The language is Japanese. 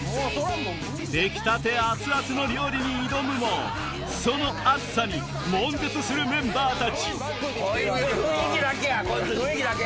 出来たて熱々の料理に挑むもその熱さにもん絶するメンバーたちこいつ雰囲気だけ。